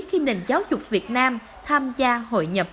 khi nền giáo dục việt nam tham gia hội nhập